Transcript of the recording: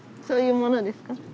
そういうものですか？